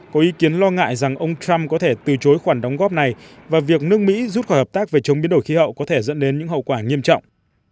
có ý kiến lo ngại rằng ông trump có thể từ chối khoản đóng góp này và việc nước mỹ rút khỏi hợp tác về chống biến đổi khí hậu có thể dẫn đến những hậu quả nghiêm trọng